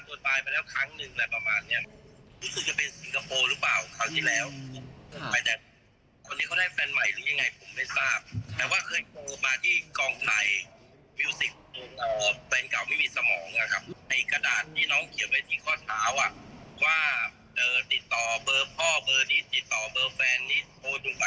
คิดว่ามันเป็นลางไหมคะที่เล่นเอ็มวีเพลงนั้นน่ะ